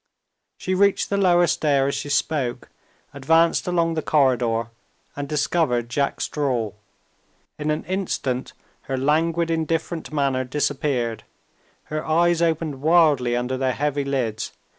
She reached the lower stair as she spoke advanced along the corridor and discovered Jack Straw. In an instant, her languid indifferent manner disappeared. Her eyes opened wildly under their heavy lids.